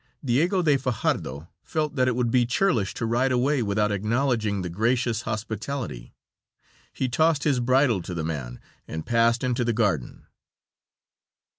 Diego de Fajardo felt that it would be churlish to ride away without acknowledging the gracious hospitality. He tossed his bridle to the man and passed into the garden.